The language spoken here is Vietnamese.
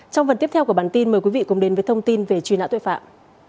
trong phần tiếp theo của bản tin mời quý vị cùng đến với thông tin về truy nã tội phạm